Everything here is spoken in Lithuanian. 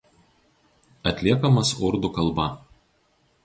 Atliekamas urdu kalba.